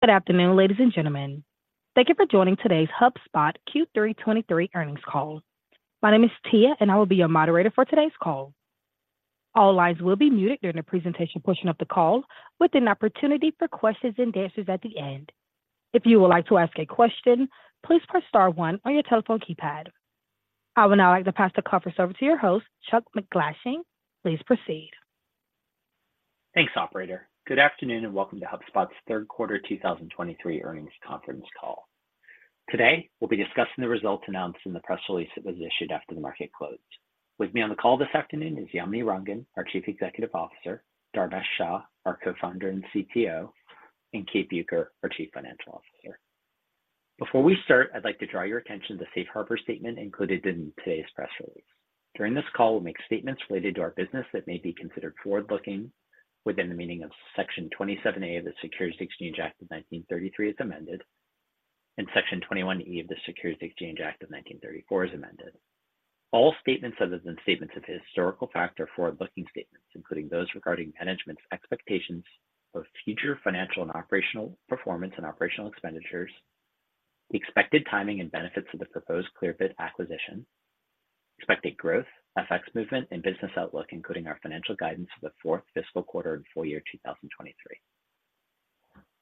Good afternoon, ladies and gentlemen. Thank you for joining today's HubSpot Q3 2023 Earnings Call. My name is Tia, and I will be your moderator for today's call. All lines will be muted during the presentation portion of the call, with an opportunity for questions and answers at the end. If you would like to ask a question, please press star one on your telephone keypad. I would now like to pass the conference over to your host, Chuck MacGlashing. Please proceed. Thanks, operator. Good afternoon, and welcome to HubSpot's Third Quarter 2023 Earnings Conference Call. Today, we'll be discussing the results announced in the press release that was issued after the market closed. With me on the call this afternoon is Yamini Rangan, our Chief Executive Officer, Dharmesh Shah, our Co-founder and CTO, and Kate Bueker, our Chief Financial Officer. Before we start, I'd like to draw your attention to the safe harbor statement included in today's press release. During this call, we'll make statements related to our business that may be considered forward-looking within the meaning of Section 27A of the Securities Exchange Act of 1933, as amended, and Section 21E of the Securities Exchange Act of 1934, as amended. All statements other than statements of historical fact are forward-looking statements, including those regarding management's expectations of future financial and operational performance and operational expenditures, the expected timing and benefits of the proposed Clearbit acquisition, expected growth, FX movement and business outlook, including our financial guidance for the fourth fiscal quarter and full year 2023.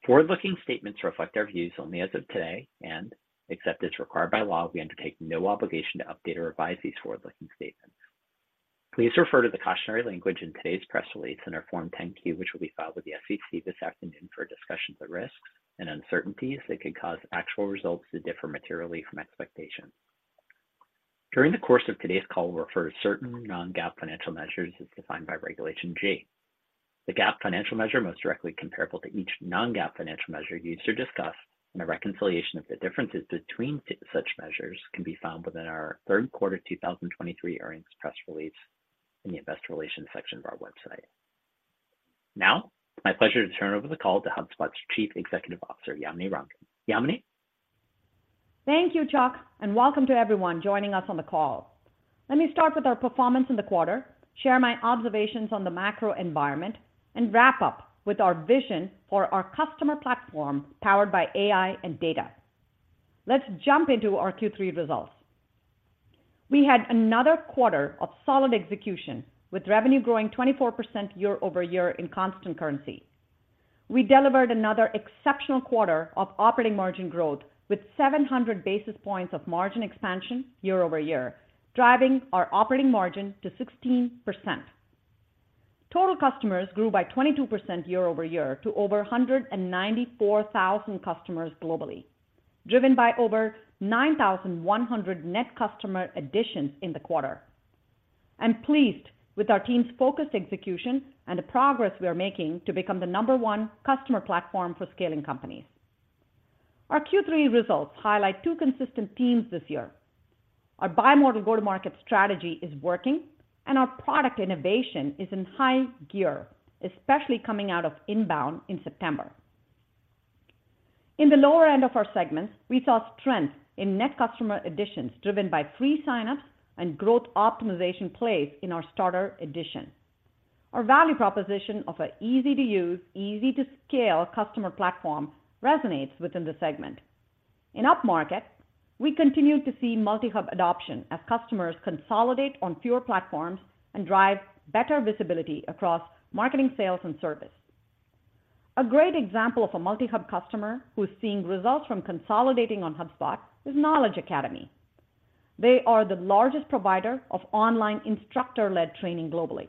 Forward-looking statements reflect our views only as of today, and except as required by law, we undertake no obligation to update or revise these forward-looking statements. Please refer to the cautionary language in today's press release and our Form 10-Q, which will be filed with the SEC this afternoon for discussions of risks and uncertainties that could cause actual results to differ materially from expectations. During the course of today's call, we'll refer to certain non-GAAP financial measures as defined by Regulation G. The GAAP financial measure most directly comparable to each non-GAAP financial measure used or discussed, and a reconciliation of the differences between such measures can be found within our third quarter 2023 earnings press release in the investor relations section of our website. Now, it's my pleasure to turn over the call to HubSpot's Chief Executive Officer, Yamini Rangan. Yamini? Thank you, Chuck, and welcome to everyone joining us on the call. Let me start with our performance in the quarter, share my observations on the macro environment, and wrap up with our vision for our customer platform, powered by AI and data. Let's jump into our Q3 results. We had another quarter of solid execution, with revenue growing 24% year-over-year in constant currency. We delivered another exceptional quarter of operating margin growth, with 700 basis points of margin expansion year-over-year, driving our operating margin to 16%. Total customers grew by 22%, year-over-year to over 194,000 customers globally, driven by over 9,100 net customer additions in the quarter. I'm pleased with our team's focused execution and the progress we are making to become the number one customer platform for scaling companies. Our Q3 results highlight two consistent themes this year: Our buy more to go-to-market strategy is working, and our product innovation is in high gear, especially coming out of INBOUND in September. In the lower end of our segments, we saw strength in net customer additions, driven by free sign-ups and growth optimization plays in our Starter edition. Our value proposition of an easy-to-use, easy-to-scale customer platform resonates within the segment. In upmarket, we continue to see multi-hub adoption as customers consolidate on fewer platforms and drive better visibility across marketing, sales, and service. A great example of a multi-hub customer who is seeing results from consolidating on HubSpot is Knowledge Academy. They are the largest provider of online instructor-led training globally.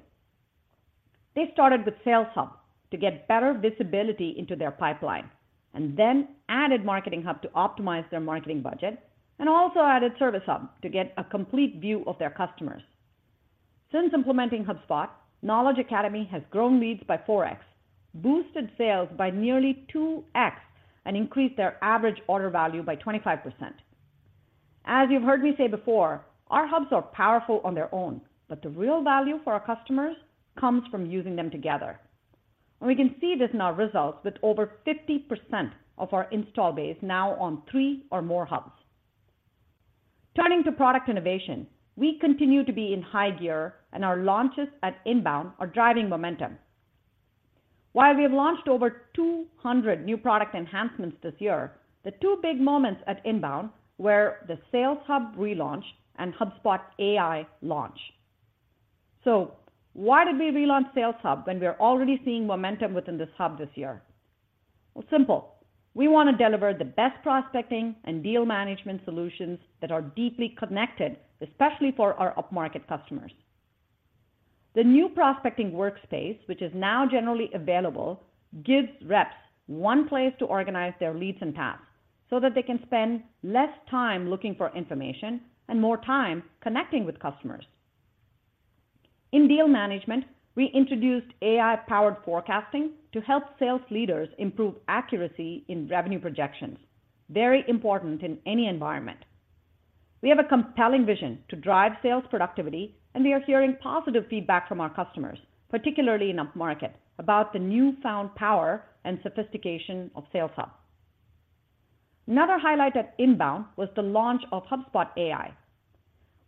They started with Sales Hub to get better visibility into their pipeline, and then added Marketing Hub to optimize their marketing budget, and also added Service Hub to get a complete view of their customers. Since implementing HubSpot, Knowledge Academy has grown leads by 4x, boosted sales by nearly 2x, and increased their average order value by 25%. As you've heard me say before, our hubs are powerful on their own, but the real value for our customers comes from using them together. We can see this in our results with over 50%, of our installed base now on three or more hubs. Turning to product innovation, we continue to be in high gear and our launches at Inbound are driving momentum. While we have launched over 200 new product enhancements this year, the two big moments at INBOUND were the Sales Hub relaunch and HubSpot AI launch. So why did we relaunch Sales Hub when we are already seeing momentum within this hub this year? Well, simple. We want to deliver the best prospecting and deal management solutions that are deeply connected, especially for our upmarket customers. The new prospecting workspace, which is now generally available, gives reps one place to organize their leads and tasks, so that they can spend less time looking for information and more time connecting with customers. In deal management, we introduced AI-powered forecasting to help sales leaders improve accuracy in revenue projections. Very important in any environment. We have a compelling vision to drive sales productivity, and we are hearing positive feedback from our customers, particularly in upmarket, about the newfound power and sophistication of Sales Hub. Another highlight at INBOUND was the launch of HubSpot AI.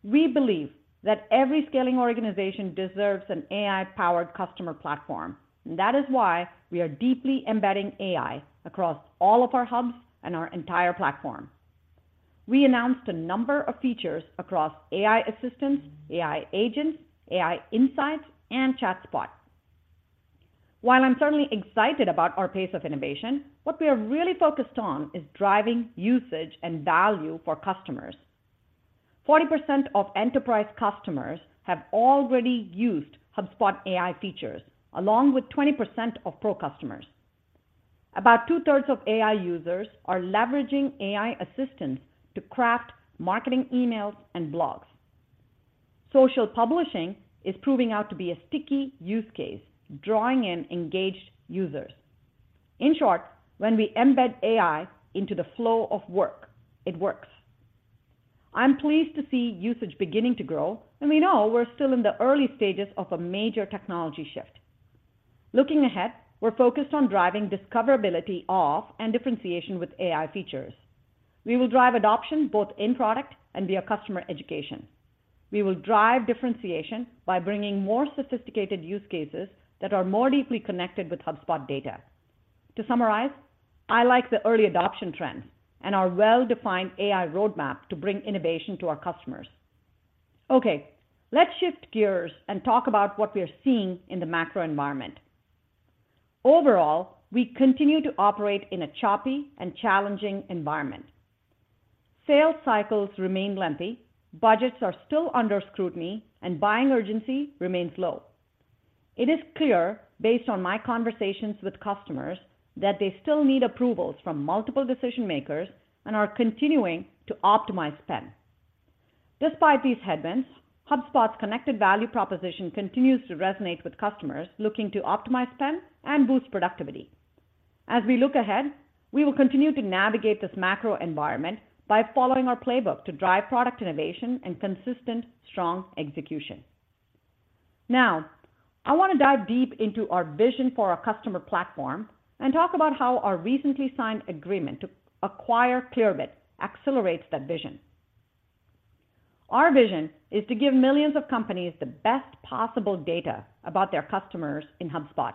We believe that every scaling organization deserves an AI-powered customer platform, and that is why we are deeply embedding AI across all of our hubs and our entire platform. We announced a number of features across AI assistants, AI agents, AI insights, and ChatSpot. While I'm certainly excited about our pace of innovation, what we are really focused on is driving usage and value for customers. 40%, of Enterprise customers have already used HubSpot AI features, along with 20%, of Pro customers. About two-thirds of AI users are leveraging AI assistants to craft marketing, emails, and blogs. Social publishing is proving out to be a sticky use case, drawing in engaged users. In short, when we embed AI into the flow of work, it works. I'm pleased to see usage beginning to grow, and we know we're still in the early stages of a major technology shift. Looking ahead, we're focused on driving discoverability of, and differentiation with AI features. We will drive adoption both in product and via customer education. We will drive differentiation by bringing more sophisticated use cases that are more deeply connected with HubSpot data. To summarize, I like the early adoption trends and our well-defined AI roadmap to bring innovation to our customers. Okay, let's shift gears and talk about what we are seeing in the macro environment. Overall, we continue to operate in a choppy and challenging environment. Sales cycles remain lengthy, budgets are still under scrutiny, and buying urgency remains low. It is clear, based on my conversations with customers, that they still need approvals from multiple decision-makers and are continuing to optimize spend. Despite these headwinds, HubSpot's connected value proposition continues to resonate with customers looking to optimize spend and boost productivity. As we look ahead, we will continue to navigate this macro environment by following our playbook to drive product innovation and consistent, strong execution. Now, I wanna dive deep into our vision for our customer platform and talk about how our recently signed agreement to acquire Clearbit accelerates that vision. Our vision is to give millions of companies the best possible data about their customers in HubSpot.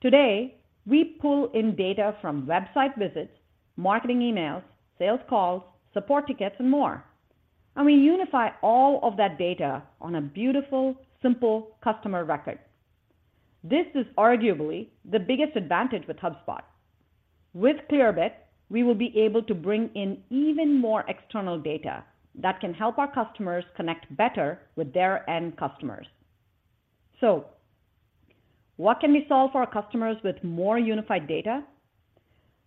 Today, we pull in data from website visits, marketing emails, sales calls, support tickets, and more, and we unify all of that data on a beautiful, simple customer record. This is arguably the biggest advantage with HubSpot. With Clearbit, we will be able to bring in even more external data that can help our customers connect better with their end customers. So, what can we solve for our customers with more unified data?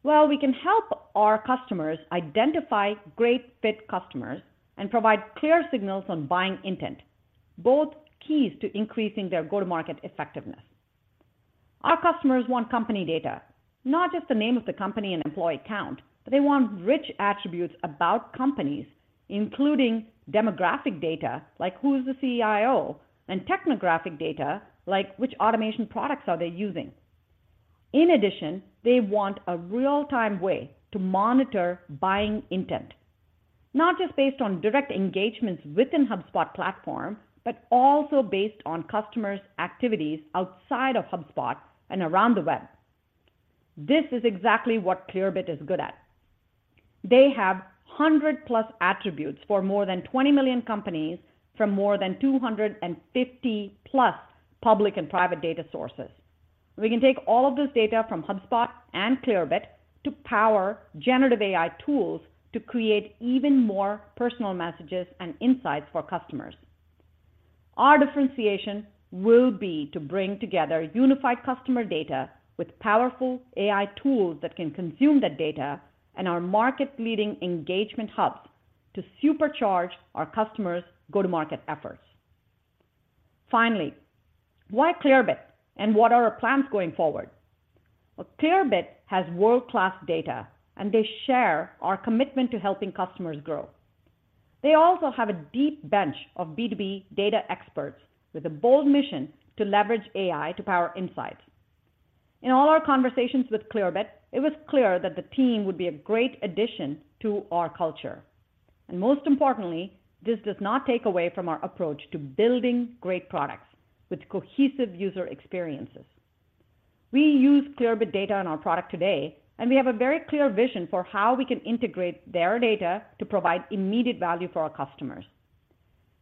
Well, we can help our customers identify great fit customers and provide clear signals on buying intent, both keys to increasing their go-to-market effectiveness. Our customers want company data, not just the name of the company and employee count, but they want rich attributes about companies, including demographic data, like who's the CIO, and technographic data, like which automation products are they using. In addition, they want a real-time way to monitor buying intent, not just based on direct engagements within HubSpot platform, but also based on customers' activities outside of HubSpot and around the web. This is exactly what Clearbit is good at. They have 100+ attributes for more than 20 million companies from more than 250+ public and private data sources. We can take all of this data from HubSpot and Clearbit to power generative AI tools to create even more personal messages and insights for customers. Our differentiation will be to bring together unified customer data with powerful AI tools that can consume that data and our market-leading engagement hubs to supercharge our customers' go-to-market efforts. Finally, why Clearbit, and what are our plans going forward? Well, Clearbit has world-class data, and they share our commitment to helping customers grow. They also have a deep bench of B2B data experts with a bold mission to leverage AI to power insights. In all our conversations with Clearbit, it was clear that the team would be a great addition to our culture. Most importantly, this does not take away from our approach to building great products with cohesive user experiences. We use Clearbit data in our product today, and we have a very clear vision for how we can integrate their data to provide immediate value for our customers.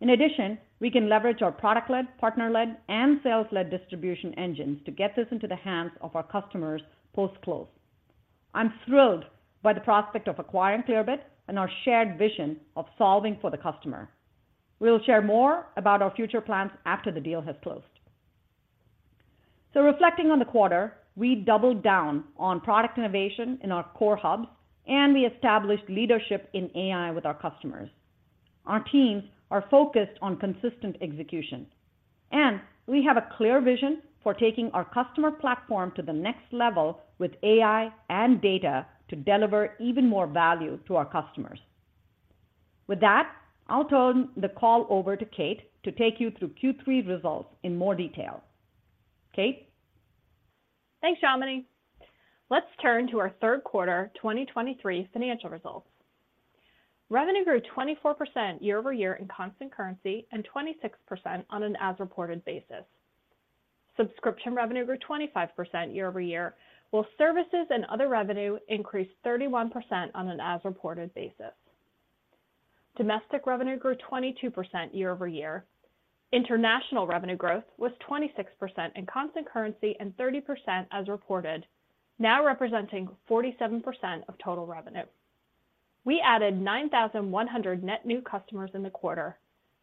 In addition, we can leverage our product-led, partner-led, and sales-led distribution engines to get this into the hands of our customers post-close. I'm thrilled by the prospect of acquiring Clearbit and our shared vision of solving for the customer. We'll share more about our future plans after the deal has closed. So reflecting on the quarter, we doubled down on product innovation in our core hubs, and we established leadership in AI with our customers. Our teams are focused on consistent execution, and we have a clear vision for taking our customer platform to the next level with AI and data to deliver even more value to our customers... With that, I'll turn the call over to Kate to take you through Q3 results in more detail. Kate? Thanks, Yamini. Let's turn to our third quarter 2023 financial results. Revenue grew 24%, year over year in constant currency and 26%, on an as-reported basis. Subscription revenue grew 25%, year over year, while services and other revenue increased 31%, on an as-reported basis. Domestic revenue grew 22%, year over year. International revenue growth was 26% in constant currency and 30% as reported, now representing 47%, of total revenue. We added 9,100 net new customers in the quarter,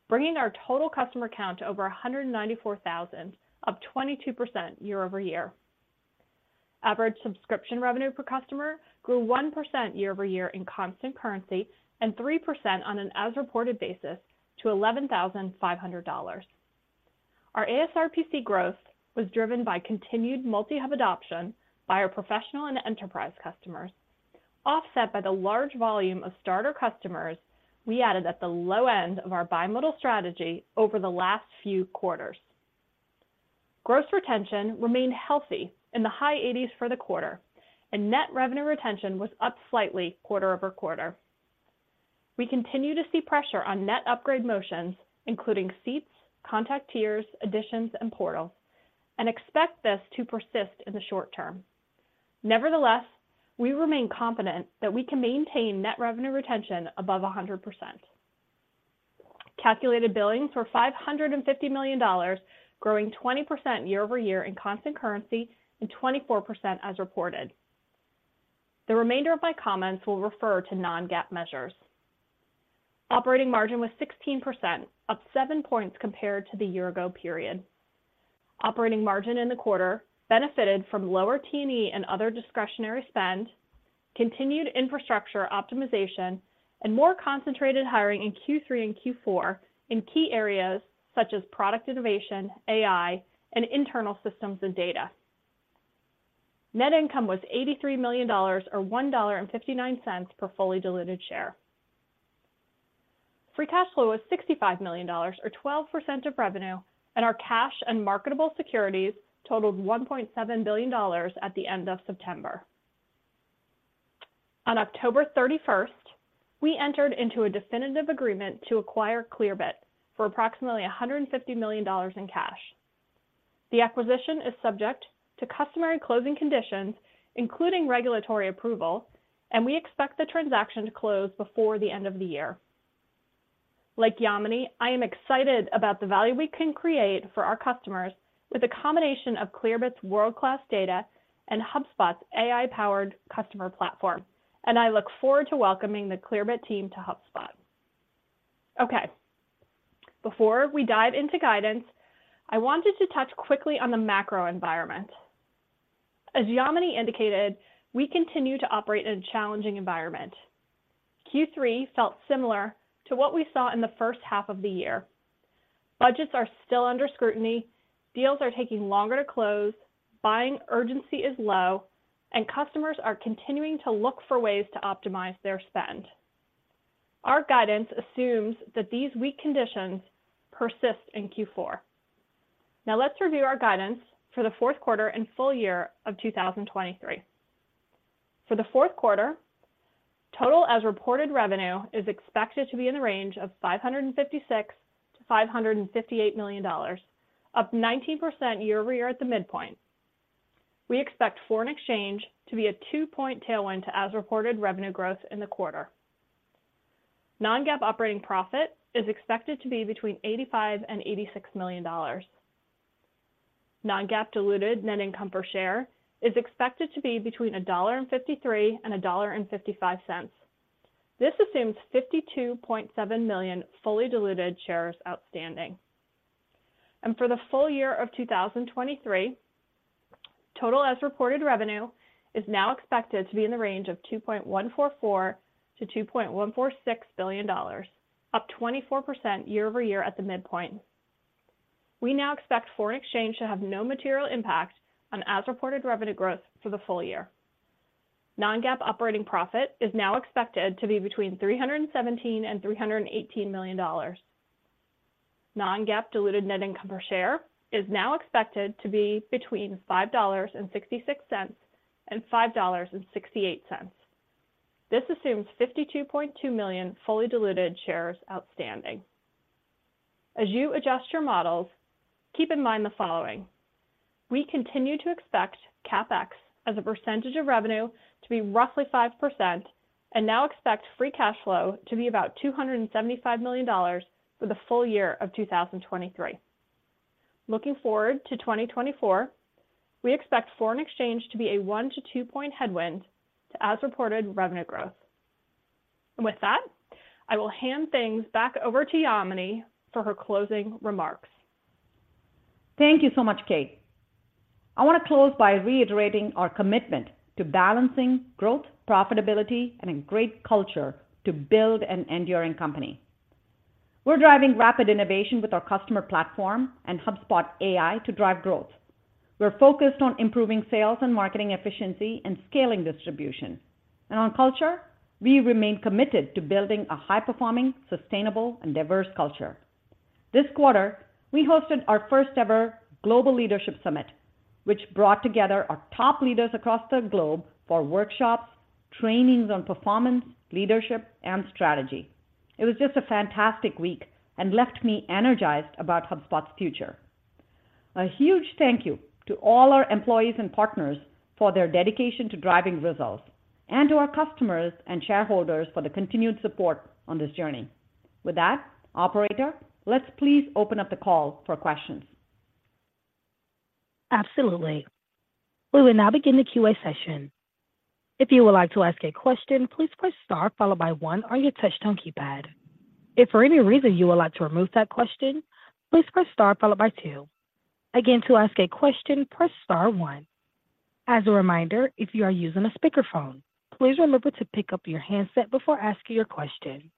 bringing our total customer count to over 194,000, up 22%, year over year. Average subscription revenue per customer grew 1%, year over year in constant currency and 3%, on an as-reported basis to $11,500. Our ASRPC growth was driven by continued multi-hub adoption by our professional and enterprise customers, offset by the large volume of starter customers we added at the low end of our bimodal Strategy over the last few quarters. Gross Retention remained healthy in the high 80s for the quarter, and Net Revenue Retention was up slightly quarter-over-quarter. We continue to see pressure on net upgrade motions, including seats, contact tiers, additions, and portals, and expect this to persist in the short term. Nevertheless, we remain confident that we can maintain Net Revenue Retention above 100%. Calculated Billings were $550 million, growing 20%, year-over-year in constant currency and 24% as reported. The remainder of my comments will refer to Non-GAAP measures. Operating margin was 16%, up 7 points compared to the year-ago period. Operating margin in the quarter benefited from lower T&E and other discretionary spend, continued infrastructure optimization, and more concentrated hiring in Q3 and Q4 in key areas such as product innovation, AI, and internal systems and data. Net income was $83 million, or $1.59 per fully diluted share. Free cash flow was $65 million, or 12% of revenue, and our cash and marketable securities totaled $1.7 billion at the end of September. On October 31, we entered into a definitive agreement to acquire Clearbit for approximately $150 million in cash. The acquisition is subject to customary closing conditions, including regulatory approval, and we expect the transaction to close before the end of the year. Like Yamini, I am excited about the value we can create for our customers with a combination of Clearbit's world-class data and HubSpot's AI-powered customer platform, and I look forward to welcoming the Clearbit team to HubSpot. Okay, before we dive into guidance, I wanted to touch quickly on the macro environment. As Yamini indicated, we continue to operate in a challenging environment. Q3 felt similar to what we saw in the first half of the year. Budgets are still under scrutiny, deals are taking longer to close, buying urgency is low, and customers are continuing to look for ways to optimize their spend. Our guidance assumes that these weak conditions persist in Q4. Now, let's review our guidance for the fourth quarter and full year of 2023. For the fourth quarter, total as-reported revenue is expected to be in the range of $556 million-$558 million, up 19%, year-over-year at the midpoint. We expect foreign exchange to be a 2-point tailwind to as-reported revenue growth in the quarter. Non-GAAP operating profit is expected to be between $85 million and $86 million. Non-GAAP diluted net income per share is expected to be between $1.53 and $1.55. This assumes 52.7 million fully diluted shares outstanding. And for the full year of 2023, total as-reported revenue is now expected to be in the range of $2.144 billion-$2.146 billion, up 24%, year-over-year at the midpoint. We now expect foreign exchange to have no material impact on as-reported revenue growth for the full year. Non-GAAP operating profit is now expected to be between $317 million and $318 million. Non-GAAP diluted net income per share is now expected to be between $5.66 and $5.68. This assumes 52.2 million fully diluted shares outstanding. As you adjust your models, keep in mind the following: We continue to expect CapEx as a percentage of revenue to be roughly 5%, and now expect free cash flow to be about $275 million for the full year of 2023. Looking forward to 2024, we expect foreign exchange to be a 1-2 point headwind to as-reported revenue growth. With that, I will hand things back over to Yamini for her closing remarks. Thank you so much, Kate. I want to close by reiterating our commitment to balancing growth, profitability, and a great culture to build an enduring company.... We're driving rapid innovation with our customer platform and HubSpot AI to drive growth. We're focused on improving sales and marketing efficiency and scaling distribution. And on culture, we remain committed to building a high-performing, sustainable, and diverse culture. This quarter, we hosted our first-ever Global Leadership Summit, which brought together our top leaders across the globe for workshops, trainings on performance, leadership, and strategy. It was just a fantastic week and left me energized about HubSpot's future. A huge thank you to all our employees and partners for their dedication to driving results, and to our customers and shareholders for the continued support on this journey. With that, operator, let's please open up the call for questions. Absolutely. We will now begin the Q&A session. If you would like to ask a question, please press star followed by one on your touch tone keypad. If for any reason you would like to remove that question, please press star followed by two. Again, to ask a question, press star one. As a reminder, if you are using a speakerphone, please remember to pick up your handset before asking your question.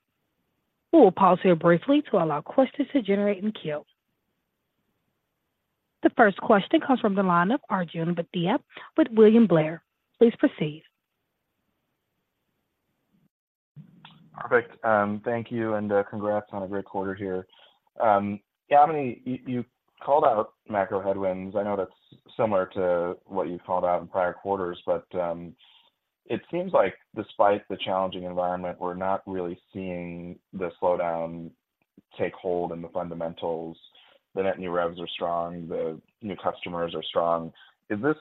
We will pause here briefly to allow questions to generate in queue. The first question comes from the line of Arjun Bhatia with William Blair. Please proceed. Perfect. Thank you, and congrats on a great quarter here. Yamini, you, you called out macro headwinds. I know that's similar to what you called out in prior quarters, but it seems like despite the challenging environment, we're not really seeing the slowdown take hold in the fundamentals. The net new revs are strong, the new customers are strong. Is this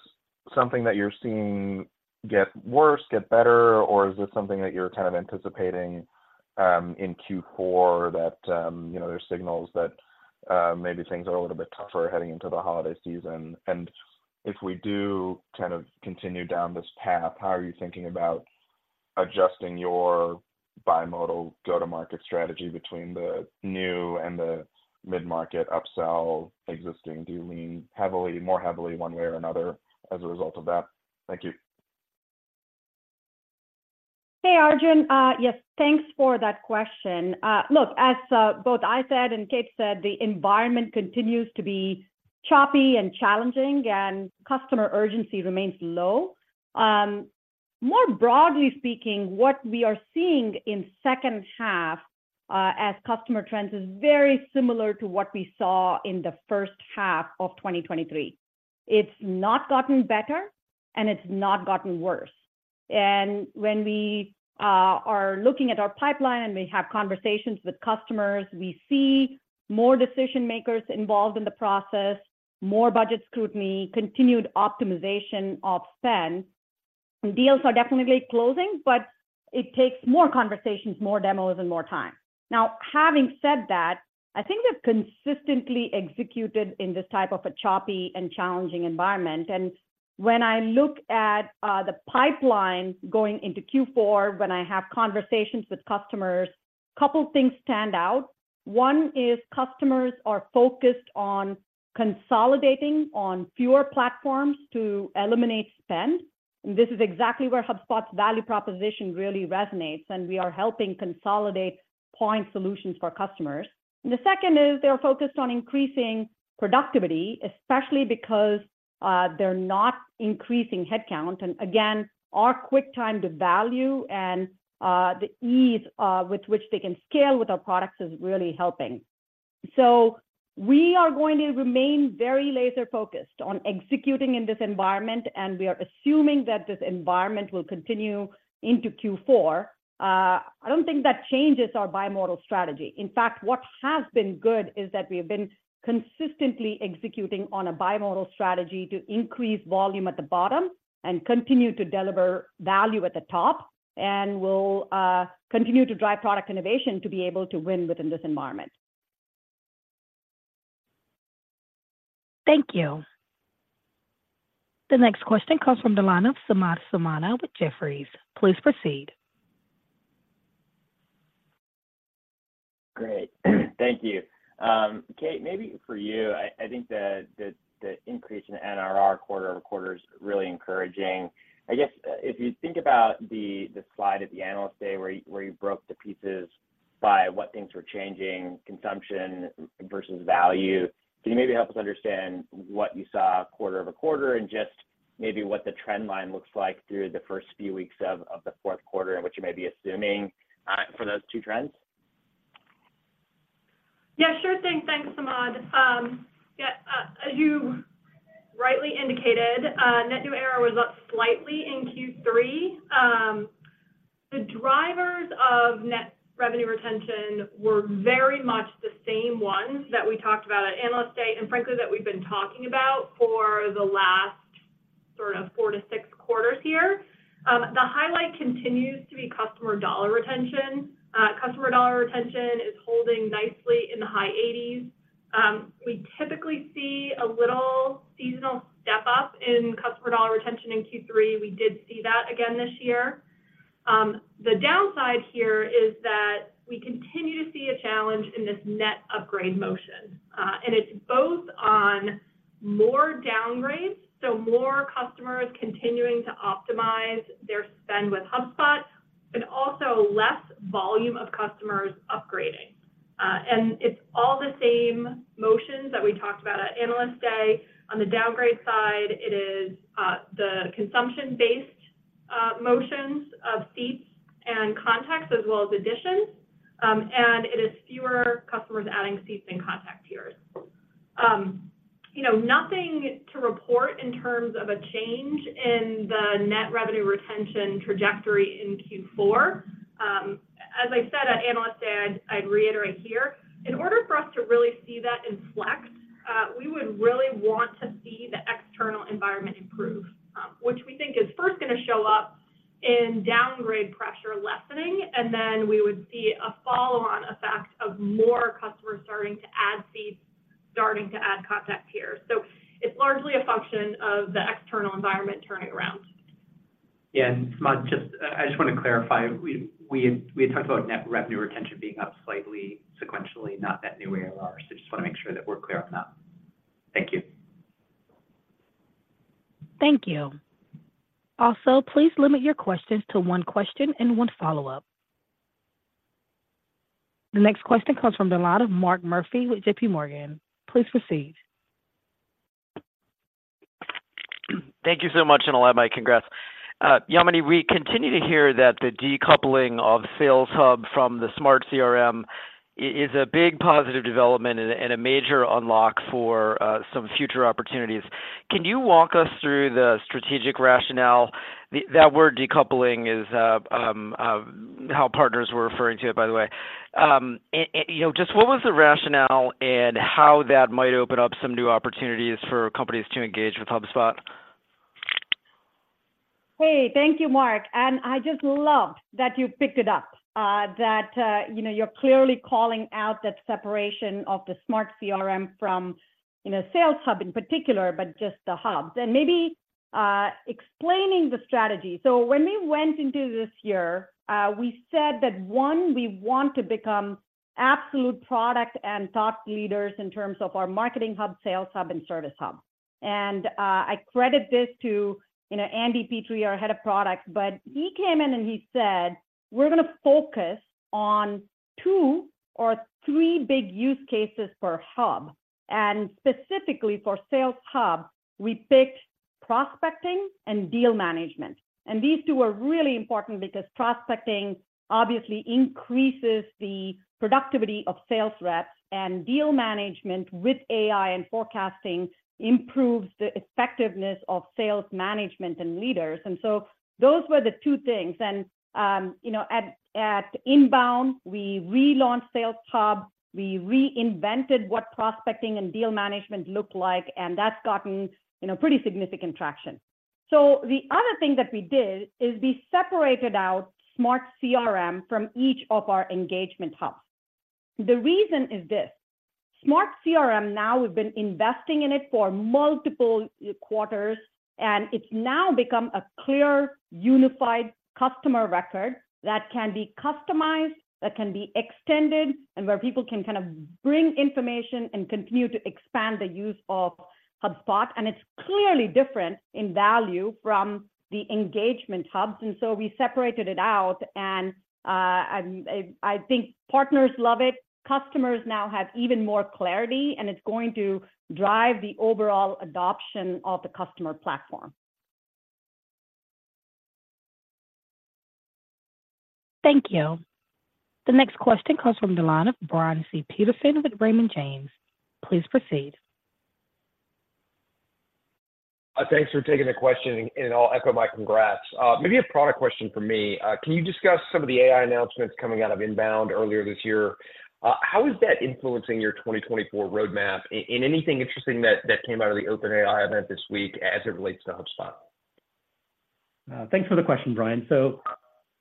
something that you're seeing get worse, get better, or is this something that you're kind of anticipating in Q4, that you know, there's signals that maybe things are a little bit tougher heading into the holiday season? And if we do kind of continue down this path, how are you thinking about adjusting your bimodal go-to-market strategy between the new and the mid-market upsell existing? Do you lean heavily, more heavily, one way or another as a result of that? Thank you. Hey, Arjun. Yes, thanks for that question. Look, as both I said and Kate said, the environment continues to be choppy and challenging, and customer urgency remains low. More broadly speaking, what we are seeing in second half as customer trends is very similar to what we saw in the first half of 2023. It's not gotten better, and it's not gotten worse. And when we are looking at our pipeline and we have conversations with customers, we see more decision makers involved in the process, more budget scrutiny, continued optimization of spend. Deals are definitely closing, but it takes more conversations, more demos, and more time. Now, having said that, I think we've consistently executed in this type of a choppy and challenging environment. And when I look at the pipeline going into Q4, when I have conversations with customers, a couple of things stand out. One is customers are focused on consolidating on fewer platforms to eliminate spend. This is exactly where HubSpot's value proposition really resonates, and we are helping consolidate point solutions for customers. The second is they are focused on increasing productivity, especially because they're not increasing headcount. And again, our quick time to value and the ease with which they can scale with our products is really helping. So we are going to remain very laser-focused on executing in this environment, and we are assuming that this environment will continue into Q4. I don't think that changes our bimodal strategy. In fact, what has been good is that we have been consistently executing on a bimodal strategy to increase volume at the bottom and continue to deliver value at the top, and we'll continue to drive product innovation to be able to win within this environment. Thank you. The next question comes from the line of Samad Samana with Jefferies. Please proceed. Great. Thank you. Kate, maybe for you, I think the increase in NRR quarter-over-quarter is really encouraging. I guess if you think about the slide at the Analyst Day, where you broke the pieces by what things were changing, consumption versus value, can you maybe help us understand what you saw quarter-over-quarter and just maybe what the trend line looks like through the first few weeks of the fourth quarter and what you may be assuming for those two trends? Yeah, sure thing. Thanks, Samad. Yeah, you rightly indicated net new ARR was up slightly in Q3. The drivers of net revenue retention were very much the same ones that we talked about at Analyst Day, and frankly, that we've been talking about for the last sort of four to six quarters here. The highlight continues to be customer dollar retention. Customer dollar retention is holding nicely in the high eighties. We typically see a little seasonal step up in customer dollar retention in Q3. We did see that again this year. The downside here is that we continue to see a challenge in this net upgrade motion.... and it's both on more downgrades, so more customers continuing to optimize their spend with HubSpot, but also less volume of customers upgrading. And it's all the same motions that we talked about at Analyst Day. On the downgrade side, it is the consumption-based motions of seats and contacts as well as additions, and it is fewer customers adding seats and contact tiers. You know, nothing to report in terms of a change in the net revenue retention trajectory in Q4. As I said at Analyst Day, I'd reiterate here, in order for us to really see that in flex, we would really want to see the external environment improve, which we think is first going to show up in downgrade pressure lessening, and then we would see a follow-on effect of more customers starting to add seats, starting to add contact tiers. So it's largely a function of the external environment turning around. Yeah, and SMB, just, I just want to clarify. We had talked about net revenue retention being up slightly sequentially, not net new ARR, so just want to make sure that we're clear on that. Thank you. Thank you. Also, please limit your questions to one question and one follow-up. The next question comes from the line of Mark Murphy with J.P. Morgan. Please proceed. Thank you so much, and allow my congrats. Yamini, we continue to hear that the decoupling of Sales Hub from the Smart CRM is a big positive development and a major unlock for some future opportunities. Can you walk us through the strategic rationale? That word decoupling is how partners were referring to it, by the way. You know, just what was the rationale and how that might open up some new opportunities for companies to engage with HubSpot? Hey, thank you, Mark, and I just loved that you picked it up, that, you know, you're clearly calling out that separation of the Smart CRM from, you know, Sales Hub in particular, but just the hubs. And maybe explaining the strategy. So when we went into this year, we said that, one, we want to become absolute product and thought leaders in terms of our Marketing Hub, Sales Hub, and Service Hub. And I credit this to, you know, Andy Pitre, our Head of Product, but he came in and he said, "We're going to focus on two or three big use cases per hub." And specifically for Sales Hub, we picked prospecting and deal management. These two are really important because prospecting obviously increases the productivity of sales reps, and deal management with AI and forecasting improves the effectiveness of sales management and leaders. So those were the two things. You know, at INBOUND, we relaunched Sales Hub, we reinvented what prospecting and deal management looked like, and that's gotten, you know, pretty significant traction. So the other thing that we did is we separated out Smart CRM from each of our engagement hubs. The reason is this: Smart CRM, now, we've been investing in it for multiple quarters, and it's now become a clear, unified customer record that can be customized, that can be extended, and where people can kind of bring information and continue to expand the use of HubSpot. It's clearly different in value from the engagement hubs, and so we separated it out, and I think partners love it. Customers now have even more clarity, and it's going to drive the overall adoption of the customer platform. Thank you. The next question comes from the line of Brian C. Peterson with Raymond James. Please proceed. Thanks for taking the question, and I'll echo my congrats. Maybe a product question for me. Can you discuss some of the AI announcements coming out of INBOUND earlier this year? How is that influencing your 2024 roadmap? And anything interesting that came out of the OpenAI event this week as it relates to HubSpot? Thanks for the question, Brian. So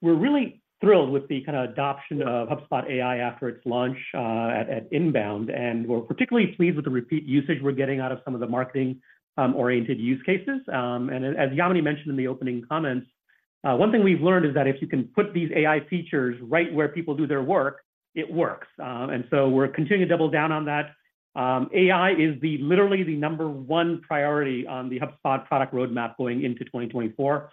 we're really thrilled with the kind of adoption of HubSpot AI after its launch at INBOUND, and we're particularly pleased with the repeat usage we're getting out of some of the marketing oriented use cases. As Yamini mentioned in the opening comments, one thing we've learned is that if you can put these AI features right where people do their work, it works. So we're continuing to double down on that. AI is literally the number one priority on the HubSpot product roadmap going into 2024.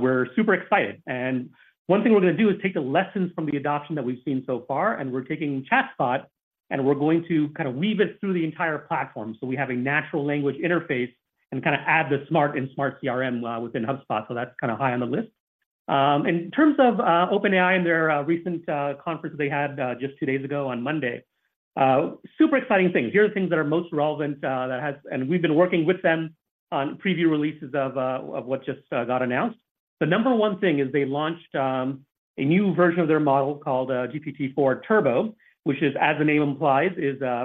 We're super excited, and one thing we're gonna do is take the lessons from the adoption that we've seen so far, and we're taking ChatSpot, and we're going to kind of weave it through the entire platform. So we have a natural language interface and kind of add the smart and Smart CRM within HubSpot, so that's kind of high on the list. In terms of OpenAI and their recent conference they had just two days ago on Monday, super exciting things. Here are things that are most relevant. And we've been working with them on preview releases of what just got announced. The number one thing is they launched a new version of their model called GPT-4 Turbo, which is, as the name implies,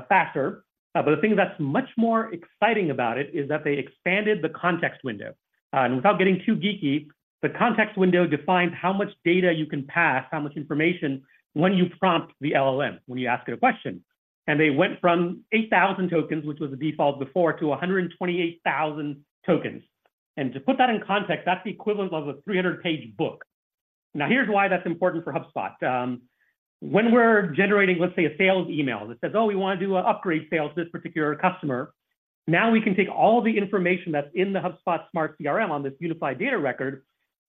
faster. But the thing that's much more exciting about it is that they expanded the context window. Without getting too geeky, the context window defines how much data you can pass, how much information when you prompt the LLM, when you ask it a question. They went from 8,000 tokens, which was the default before, to 128,000 tokens. To put that in context, that's the equivalent of a 300-page book... Now, here's why that's important for HubSpot. When we're generating, let's say, a sales email that says, "Oh, we want to do an upgrade sale to this particular customer," now we can take all the information that's in the HubSpot Smart CRM on this unified data record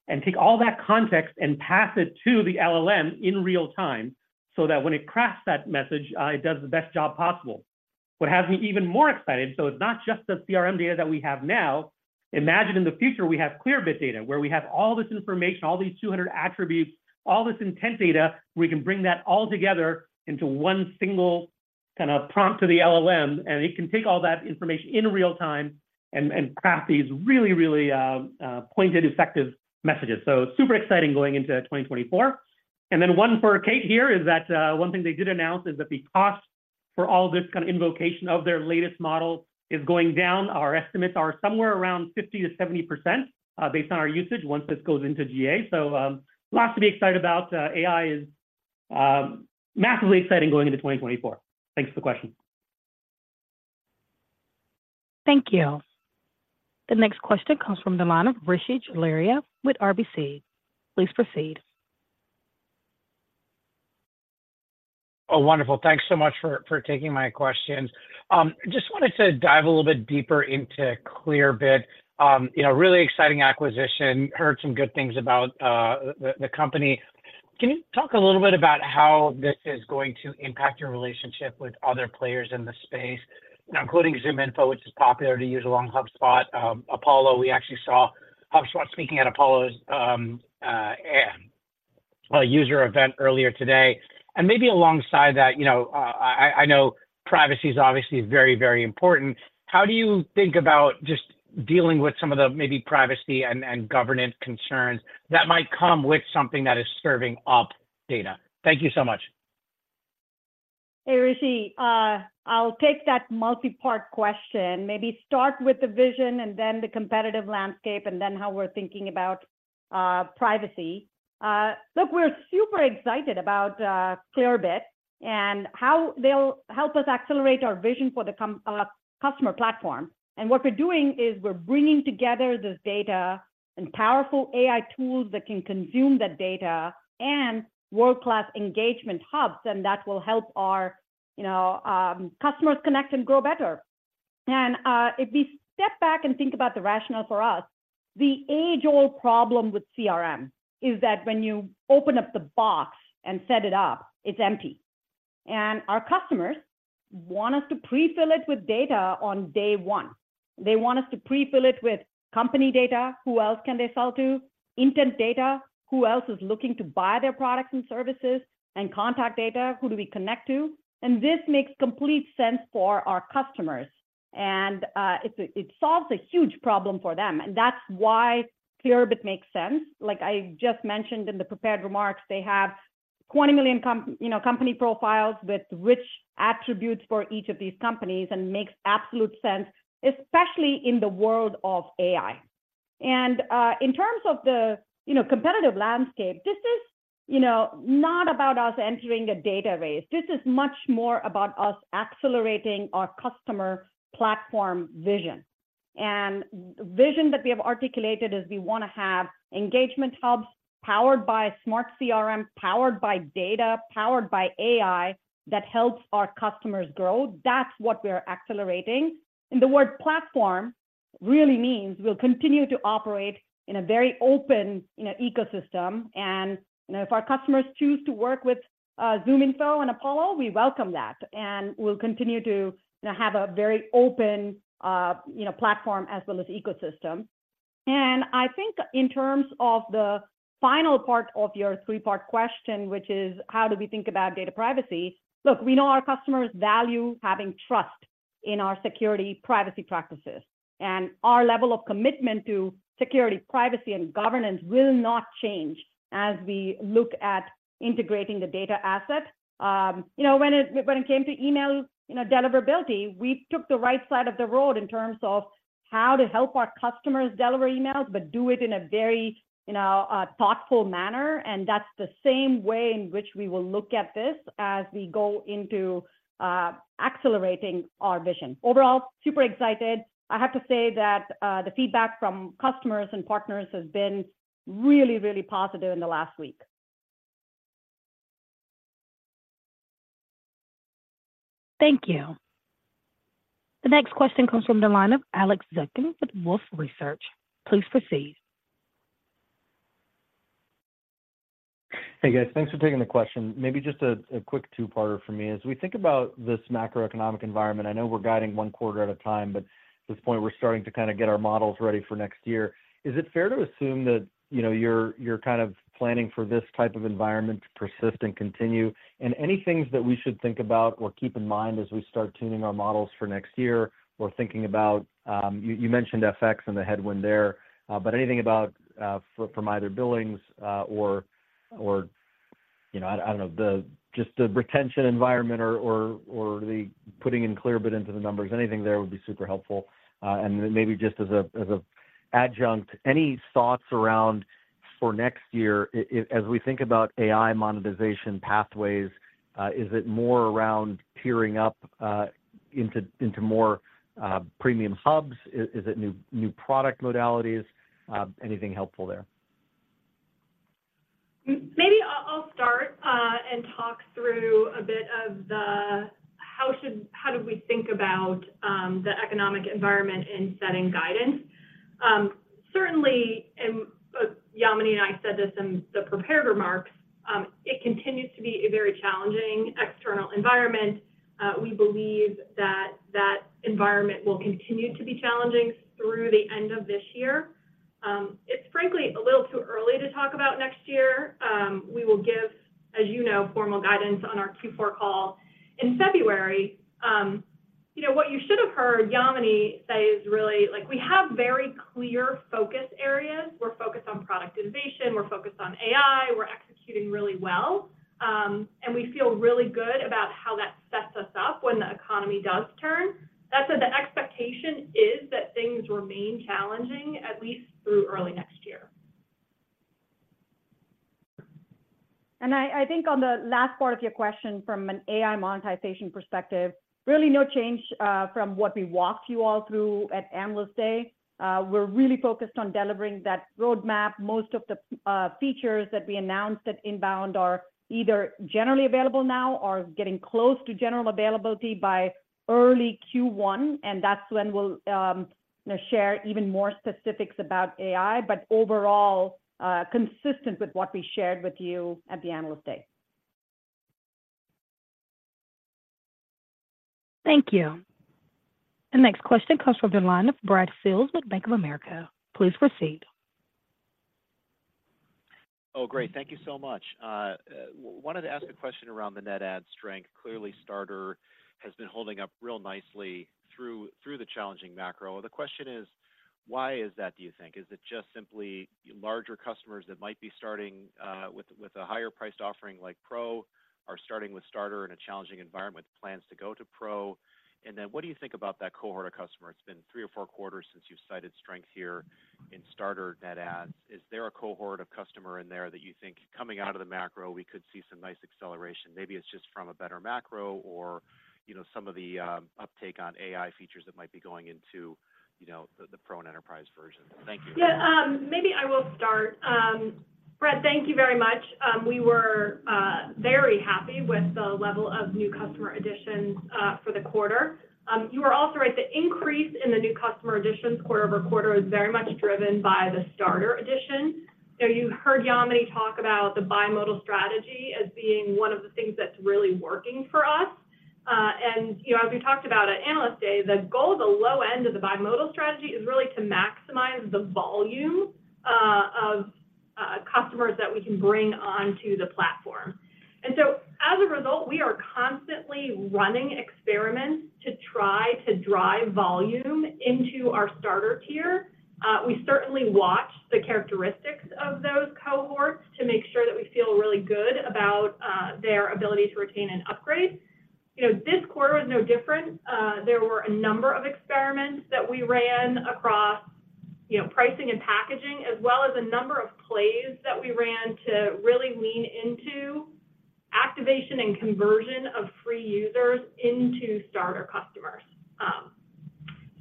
and take all that context and pass it to the LLM in real time, so that when it crafts that message, it does the best job possible. What has me even more excited, so it's not just the CRM data that we have now. Imagine in the future, we have Clearbit data, where we have all this information, all these 200 attributes, all this intent data, we can bring that all together into one single kind of prompt to the LLM, and it can take all that information in real time and craft these really, really pointed, effective messages. So super exciting going into 2024. And then one for Kate here is that one thing they did announce is that the cost for all this kind of invocation of their latest model is going down. Our estimates are somewhere around 50%-70%, based on our usage, once this goes into GA. So lots to be excited about. AI is massively exciting going into 2024. Thanks for the question. Thank you. The next question comes from the line of Rishi Jaluria with RBC. Please proceed. Oh, wonderful. Thanks so much for taking my questions. Just wanted to dive a little bit deeper into Clearbit. You know, really exciting acquisition. Heard some good things about the company. Can you talk a little bit about how this is going to impact your relationship with other players in the space? Now, including ZoomInfo, which is popular to use along HubSpot, Apollo, we actually saw HubSpot speaking at Apollo's user event earlier today. And maybe alongside that, you know, I know privacy is obviously very, very important. How do you think about just dealing with some of the maybe privacy and governance concerns that might come with something that is serving up data? Thank you so much. Hey, Rishi, I'll take that multi-part question. Maybe start with the vision and then the competitive landscape, and then how we're thinking about, privacy. Look, we're super excited about, Clearbit and how they'll help us accelerate our vision for the customer platform. And what we're doing is we're bringing together this data and powerful AI tools that can consume that data and world-class engagement hubs, and that will help our, you know, customers connect and grow better. And, if we step back and think about the rationale for us, the age-old problem with CRM is that when you open up the box and set it up, it's empty, and our customers want us to pre-fill it with data on day one. They want us to pre-fill it with company data, who else can they sell to? Intent data, who else is looking to buy their products and services? And contact data, who do we connect to? And this makes complete sense for our customers, and it solves a huge problem for them. And that's why Clearbit makes sense. Like I just mentioned in the prepared remarks, they have 20 million companies. You know, company profiles with rich attributes for each of these companies, and makes absolute sense, especially in the world of AI. And in terms of the, you know, competitive landscape, this is, you know, not about us entering a data race. This is much more about us accelerating our customer platform vision. And vision that we have articulated is we want to have engagement hubs powered by smart CRM, powered by data, powered by AI, that helps our customers grow. That's what we're accelerating. And the word platform really means we'll continue to operate in a very open, you know, ecosystem. And, you know, if our customers choose to work with ZoomInfo and Apollo, we welcome that, and we'll continue to, you know, have a very open, you know, platform as well as ecosystem. And I think in terms of the final part of your three-part question, which is: how do we think about data privacy? Look, we know our customers value having trust in our security, privacy practices, and our level of commitment to security, privacy, and governance will not change as we look at integrating the data asset. You know, when it came to email, you know, deliverability, we took the right side of the road in terms of how to help our customers deliver emails, but do it in a very, you know, thoughtful manner. That's the same way in which we will look at this as we go into accelerating our vision. Overall, super excited. I have to say that the feedback from customers and partners has been really, really positive in the last week. Thank you. The next question comes from the line of Alex Zukin with Wolfe Research. Please proceed. Hey, guys. Thanks for taking the question. Maybe just a quick two-parter for me. As we think about this macroeconomic environment, I know we're guiding one quarter at a time, but at this point, we're starting to kind of get our models ready for next year. Is it fair to assume that, you know, you're kind of planning for this type of environment to persist and continue? And any things that we should think about or keep in mind as we start tuning our models for next year or thinking about. You mentioned FX and the headwind there, but anything about from either billings or, you know, I don't know, the just the retention environment or the putting in Clearbit into the numbers, anything there would be super helpful. And then maybe just as an adjunct, any thoughts around for next year, as we think about AI monetization pathways, is it more around tiering up into more premium hubs? Is it new product modalities? Anything helpful there? ... Maybe I'll start and talk through a bit of how we think about the economic environment in setting guidance? Certainly, Yamini and I said this in the prepared remarks, it continues to be a very challenging external environment. We believe that that environment will continue to be challenging through the end of this year. It's frankly a little too early to talk about next year. We will give, as you know, formal guidance on our Q4 call in February. You know, what you should have heard Yamini say is really like, we have very clear focus areas. We're focused on product innovation, we're focused on AI, we're executing really well, and we feel really good about how that sets us up when the economy does turn. That said, the expectation is that things remain challenging, at least through early next year. I think on the last part of your question, from an AI monetization perspective, really no change from what we walked you all through at Analyst Day. We're really focused on delivering that roadmap. Most of the features that we announced at INBOUND are either generally available now or getting close to general availability by early Q1, and that's when we'll share even more specifics about AI, but overall consistent with what we shared with you at the Analyst Day. Thank you. The next question comes from the line of Brad Sills with Bank of America. Please proceed. Oh, great. Thank you so much. Wanted to ask a question around the net add strength. Clearly, Starter has been holding up real nicely through the challenging macro. The question is, why is that, do you think? Is it just simply larger customers that might be starting with a higher priced offering like Pro, are starting with Starter in a challenging environment, plans to go to Pro? And then what do you think about that cohort of customers? It's been three or four quarters since you've cited strength here in Starter net adds. Is there a cohort of customer in there that you think coming out of the macro, we could see some nice acceleration? Maybe it's just from a better macro or, you know, some of the uptake on AI features that might be going into, you know, the Pro and Enterprise version. Thank you. Yeah, maybe I will start. Brad, thank you very much. We were very happy with the level of new customer additions for the quarter. You are also right, the increase in the new customer additions quarter-over-quarter is very much driven by the Starter edition. So you heard Yamini talk about the bimodal strategy as being one of the things that's really working for us. And you know, as we talked about at Analyst Day, the goal of the low end of the bimodal strategy is really to maximize the volume of customers that we can bring onto the platform. And so as a result, we are constantly running experiments to try to drive volume into our Starter tier. We certainly watch the characteristics of those cohorts to make sure that we feel really good about their ability to retain and upgrade. You know, this quarter was no different. There were a number of experiments that we ran across, you know, pricing and packaging, as well as a number of plays that we ran to really lean into activation and conversion of free users into starter customers.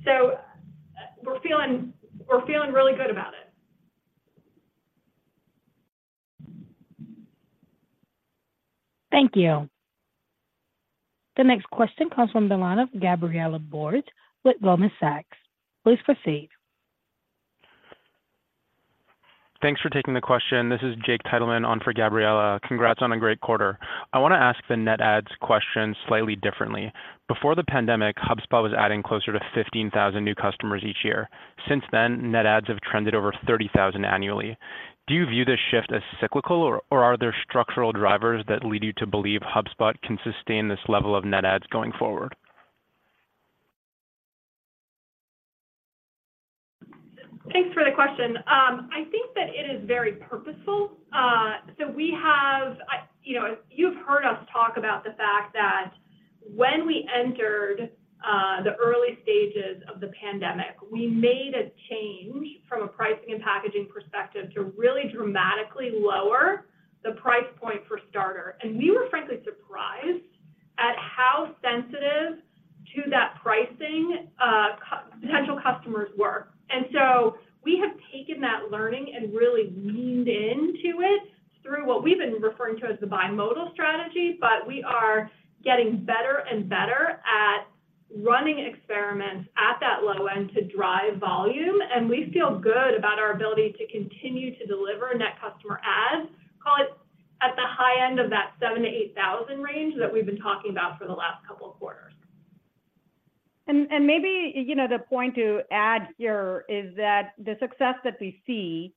So we're feeling, we're feeling really good about it. Thank you. The next question comes from the line of Gabriela Borges with Goldman Sachs. Please proceed. Thanks for taking the question. This is Jake Titleman on for Gabriela. Congrats on a great quarter. I want to ask the net adds question slightly differently. Before the pandemic, HubSpot was adding closer to 15,000 new customers each year. Since then, net adds have trended over 30,000 annually. Do you view this shift as cyclical or, or are there structural drivers that lead you to believe HubSpot can sustain this level of net adds going forward? Thanks for the question. I think that it is very purposeful. So we have, you know, you've heard us talk about the fact that when we entered the early stages of the pandemic, we made a change from a pricing and packaging perspective to really dramatically lower the price point for Starter. And we were frankly surprised at how sensitive to that pricing potential customers were. And so we have taken that learning and really leaned into it through what we've been referring to as the bimodal strategy, but we are getting better and better at running experiments at that low end to drive volume, and we feel good about our ability to continue to deliver net customer adds, call it at the high end of that 7,000-8,000 range that we've been talking about for the last couple of quarters. And maybe, you know, the point to add here is that the success that we see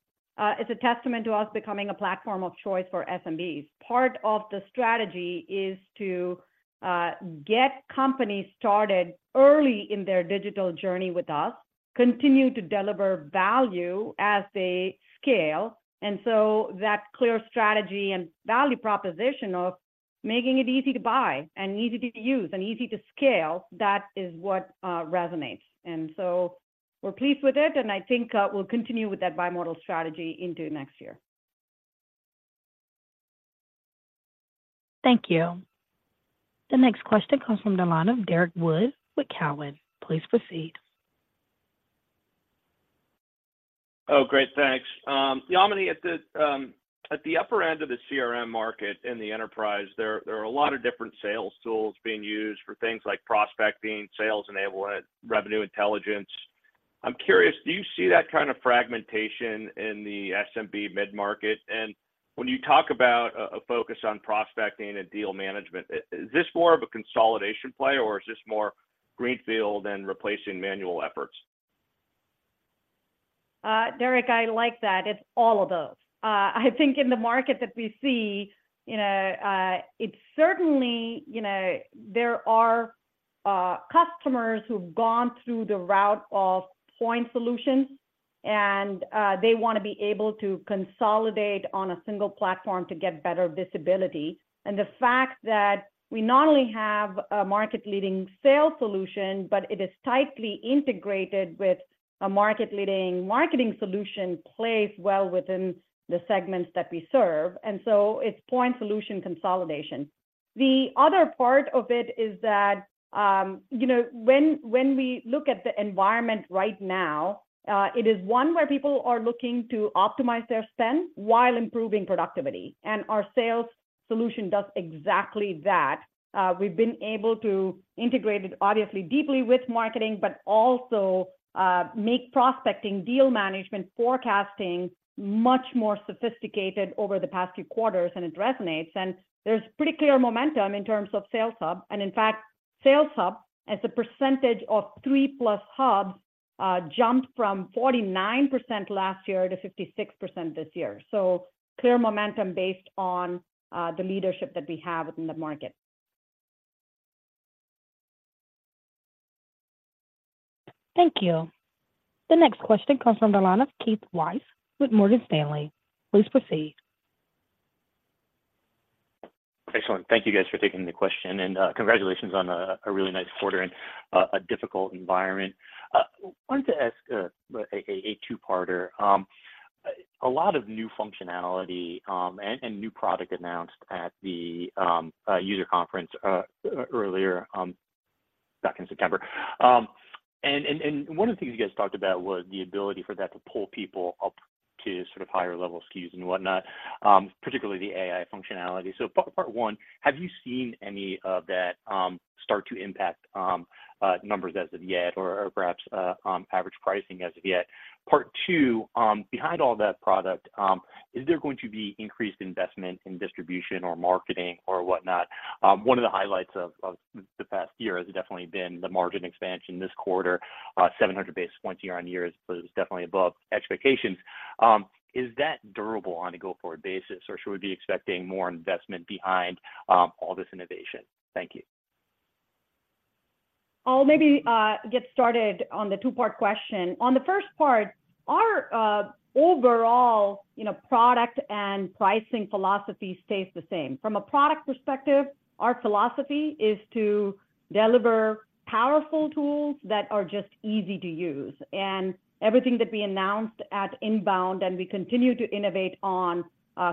is a testament to us becoming a platform of choice for SMBs. Part of the strategy is to get companies started early in their digital journey with us, continue to deliver value as they scale. And so that clear strategy and value proposition of making it easy to buy and easy to use and easy to scale, that is what resonates. And so we're pleased with it, and I think we'll continue with that bimodal strategy into next year.... Thank you. The next question comes from the line of Derrick Wood with Cowen. Please proceed. Oh, great. Thanks. Yamini, at the upper end of the CRM market in the enterprise, there are a lot of different sales tools being used for things like prospecting, sales enablement, revenue intelligence. I'm curious, do you see that kind of fragmentation in the SMB mid-market? And when you talk about a focus on prospecting and deal management, is this more of a consolidation play, or is this more greenfield and replacing manual efforts? Derrick, I like that. It's all of those. I think in the market that we see, you know, it's certainly, you know, there are customers who've gone through the route of point solutions, and they wanna be able to consolidate on a single platform to get better visibility. And the fact that we not only have a market-leading sales solution, but it is tightly integrated with a market-leading marketing solution, plays well within the segments that we serve, and so it's point solution consolidation. The other part of it is that, you know, when we look at the environment right now, it is one where people are looking to optimize their spend while improving productivity, and our sales solution does exactly that. We've been able to integrate it, obviously, deeply with marketing, but also make prospecting, deal management, forecasting much more sophisticated over the past few quarters, and it resonates. There's pretty clear momentum in terms of Sales Hub. In fact, Sales Hub, as a percentage of three-plus hubs, jumped from 49%, last year to 56% this year. Clear momentum based on the leadership that we have within the market. Thank you. The next question comes from the line of Keith Weiss with Morgan Stanley. Please proceed. Excellent. Thank you guys for taking the question, and congratulations on a really nice quarter in a difficult environment. Wanted to ask a two-parter. A lot of new functionality and new product announced at the user conference earlier back in September. And one of the things you guys talked about was the ability for that to pull people up to sort of higher level SKUs and whatnot, particularly the AI functionality. So part one, have you seen any of that start to impact numbers as of yet, or perhaps average pricing as of yet? Part two, behind all that product, is there going to be increased investment in distribution or marketing or whatnot? One of the highlights of the past year has definitely been the margin expansion this quarter, 700 basis points year-over-year was definitely above expectations. Is that durable on a go-forward basis, or should we be expecting more investment behind all this innovation? Thank you. I'll maybe get started on the two-part question. On the first part, our overall, you know, product and pricing philosophy stays the same. From a product perspective, our philosophy is to deliver powerful tools that are just easy to use. Everything that we announced at INBOUND, and we continue to innovate on,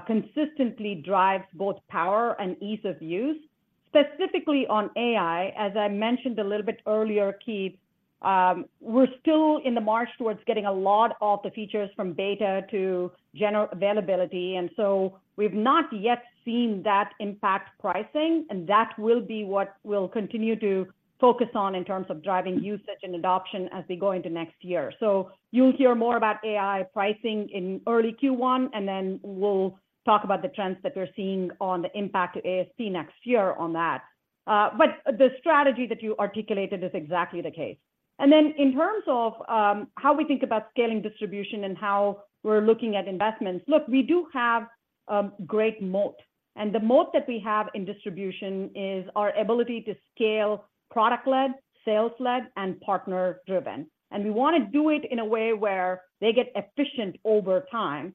consistently drives both power and ease of use. Specifically on AI, as I mentioned a little bit earlier, Keith, we're still in the march towards getting a lot of the features from beta to general availability, and so we've not yet seen that impact pricing, and that will be what we'll continue to focus on in terms of driving usage and adoption as we go into next year. So you'll hear more about AI pricing in early Q1, and then we'll talk about the trends that we're seeing on the impact to ASP next year on that. But the strategy that you articulated is exactly the case. And then in terms of how we think about scaling distribution and how we're looking at investments, look, we do have a great moat, and the moat that we have in distribution is our ability to scale product-led, sales-led, and partner-driven. And we wanna do it in a way where they get efficient over time.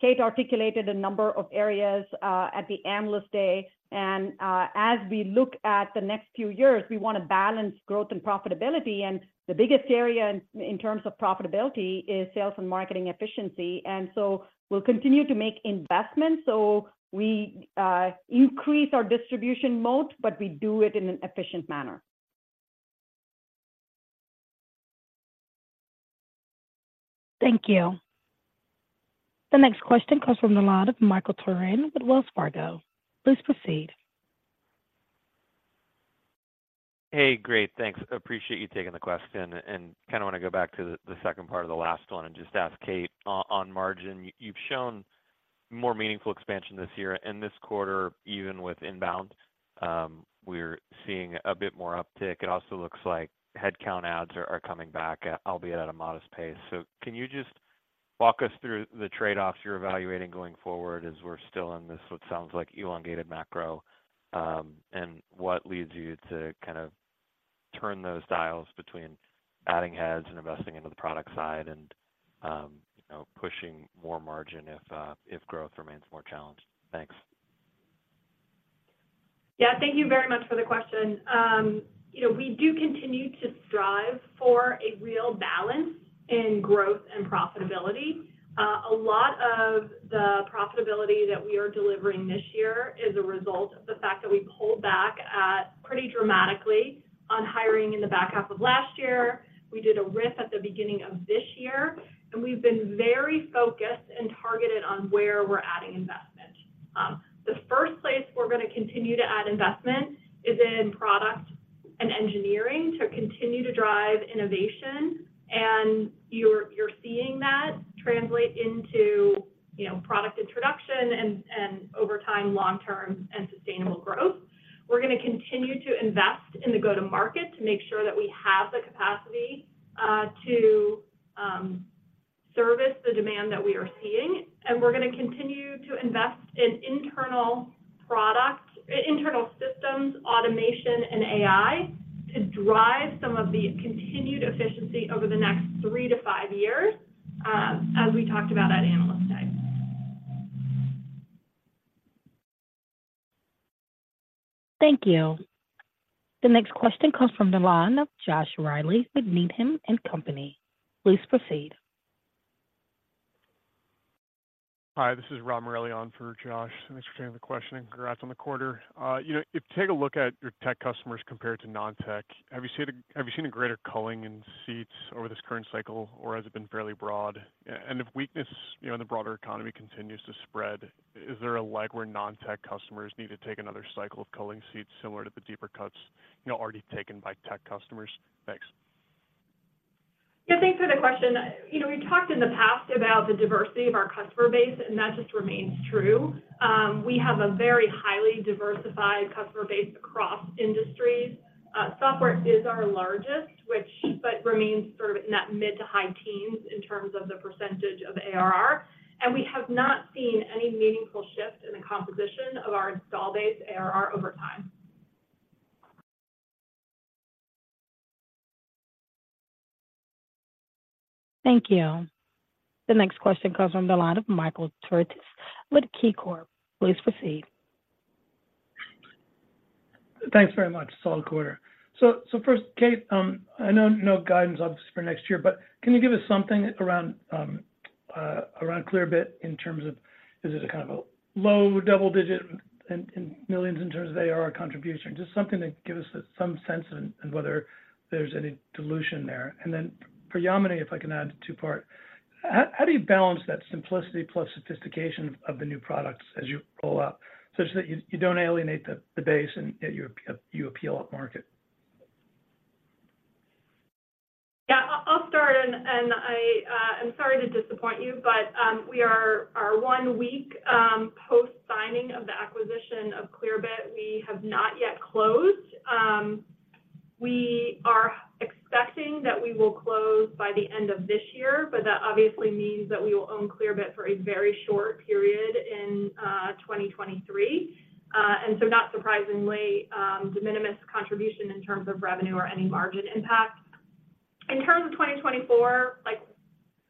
And Kate articulated a number of areas at the Analyst Day, and as we look at the next few years, we wanna balance growth and profitability, and the biggest area in terms of profitability is sales and marketing efficiency. We'll continue to make investments so we increase our distribution moat, but we do it in an efficient manner. Thank you. The next question comes from the line of Michael Turrin with Wells Fargo. Please proceed. Hey, great. Thanks. Appreciate you taking the question, and kinda wanna go back to the second part of the last one and just ask Kate, on margin, you've shown more meaningful expansion this year. In this quarter, even with INBOUND, we're seeing a bit more uptick. It also looks like headcount adds are coming back, albeit at a modest pace. So can you just walk us through the trade-offs you're evaluating going forward as we're still in this what sounds like elongated macro, and what leads you to kind of turn those dials between adding heads and investing into the product side and, you know, pushing more margin if growth remains more challenged? Thanks.... Yeah, thank you very much for the question. You know, we do continue to strive for a real balance in growth and profitability. A lot of the profitability that we are delivering this year is a result of the fact that we pulled back pretty dramatically on hiring in the back half of last year. We did a RIF at the beginning of this year, and we've been very focused and targeted on where we're adding investment. The first place we're gonna continue to add investment is in product and engineering, to continue to drive innovation. And you're, you're seeing that translate into, you know, product introduction and, and over time, long-term and sustainable growth. We're gonna continue to invest in the go-to-market to make sure that we have the capacity to service the demand that we are seeing, and we're gonna continue to invest in internal systems, automation, and AI, to drive some of the continued efficiency over the next 3-5 years, as we talked about at Analyst Day. Thank you. The next question comes from the line of Josh Riley with Needham and Company. Please proceed. Hi, this is Rob Morelli on for Josh. Thanks for taking the question, and congrats on the quarter. You know, if you take a look at your tech customers compared to non-tech, have you seen a greater culling in seats over this current cycle, or has it been fairly broad? And if weakness, you know, in the broader economy continues to spread, is there a leg where non-tech customers need to take another cycle of culling seats similar to the deeper cuts, you know, already taken by tech customers? Thanks. Yeah, thanks for the question. You know, we've talked in the past about the diversity of our customer base, and that just remains true. We have a very highly diversified customer base across industries. foftware is our largest, which, but remains sort of in that mid- to high-teens in terms of the percentage of ARR. We have not seen any meaningful shift in the composition of our install base ARR over time. Thank you. The next question comes from the line of Michael Turits with KeyCorp. Please proceed. Thanks very much. Solid quarter. First, Kate, I know no guidance obviously for next year, but can you give us something around Clearbit in terms of, is it a kind of a low double digit in millions in terms of ARR contribution? Just something to give us some sense in whether there's any dilution there. And then for Yamini, if I can add a two-part, how do you balance that simplicity plus sophistication of the new products as you roll out, such that you don't alienate the base and yet you appeal upmarket? Yeah. I'll start, and I'm sorry to disappoint you, but we are one week post-signing of the acquisition of Clearbit. We have not yet closed. We are expecting that we will close by the end of this year, but that obviously means that we will own Clearbit for a very short period in 2023. And so not surprisingly, de minimis contribution in terms of revenue or any margin impact. In terms of 2024, like,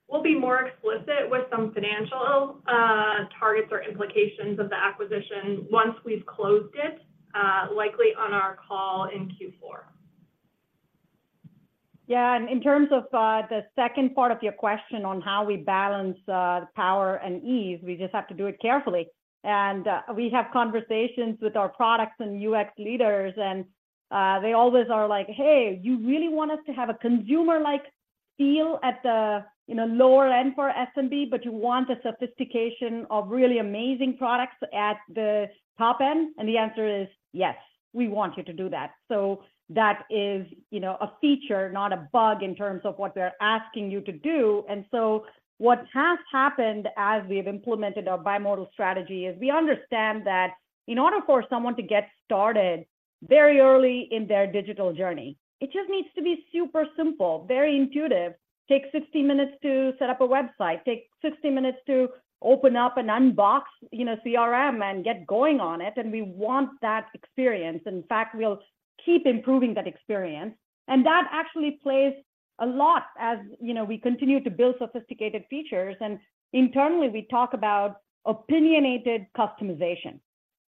we'll be more explicit with some financial targets or implications of the acquisition once we've closed it, likely on our call in Q4. Yeah, and in terms of the second part of your question on how we balance the power and ease, we just have to do it carefully. And we have conversations with our products and UX leaders, and they always are like: "Hey, you really want us to have a consumer-like feel at the, you know, lower end for SMB, but you want the sophistication of really amazing products at the top end?" And the answer is yes, we want you to do that. So that is, you know, a feature, not a bug, in terms of what we're asking you to do. So what has happened as we've implemented our bimodal strategy is, we understand that in order for someone to get started very early in their digital journey, it just needs to be super simple, very intuitive, take 60 minutes to set up a website, take 60 minutes to open up and unbox, you know, CRM and get going on it, and we want that experience. In fact, we'll keep improving that experience. And that actually plays a lot as, you know, we continue to build sophisticated features. And internally, we talk about opinionated customization.